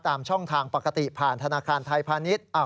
ตามช่องทางปกติผ่านธนาคารไทยพาณิชย์